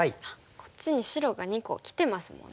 こっちに白が２個きてますもんね。